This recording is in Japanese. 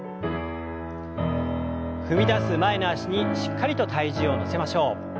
踏みだす前の脚にしっかりと体重を乗せましょう。